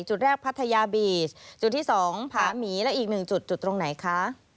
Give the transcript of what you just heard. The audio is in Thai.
จุดแรกพัทยาบีชจุดที่๒ผาหมีและอีกหนึ่งจุดจุดตรงไหนคะ